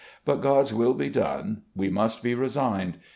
But God's will be done. We must be resigned.